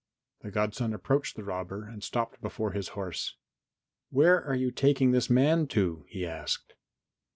The godson approached the robber and stopped before his horse. "Where are you taking this man to?" he asked.